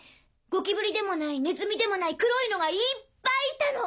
ゴキブリでもないネズミでもない黒いのがいっぱいいたの。